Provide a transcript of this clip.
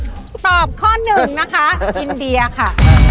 ตอบข้อหนึ่งนะคะอินเดียค่ะ